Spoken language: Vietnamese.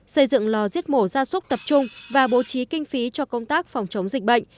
xây dựng lò giết mổ ra súc tập trung và bố trí kinh phí cho công tác phòng chống dịch bệnh